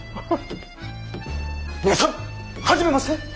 皆さん初めまして。